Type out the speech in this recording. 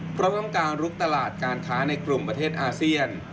เพราะต้องการลุกตลาดการค้าในกลุ่มประเทศอาเซียน